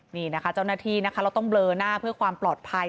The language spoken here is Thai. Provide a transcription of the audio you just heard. นี่นะคะเจ้าหน้าที่นะคะเราต้องเบลอหน้าเพื่อความปลอดภัย